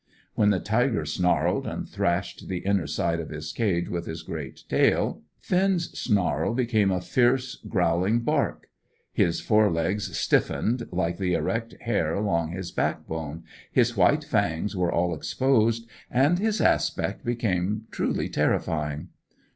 When the tiger snarled, and thrashed the inner side of his cage with his great tail, Finn's snarl became a fierce, growling bark; his fore legs stiffened, like the erect hair along his backbone, his white fangs were all exposed, and his aspect became truly terrifying.